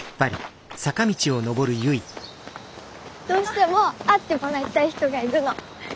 どうしても会ってもらいたい人がいるの。